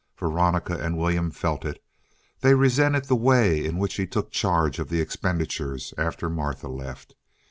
Veronica and William felt it. They resented the way in which he took charge of the expenditures after Martha left.